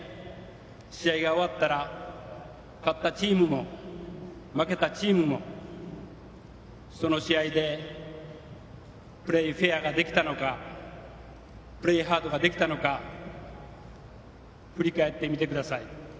試合が終わったら勝ったチームも、負けたチームもその試合でプレーフェアができたのかプレーハードができたのか振り返ってください。